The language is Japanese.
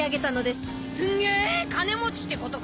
すんげえ金持ちってことか？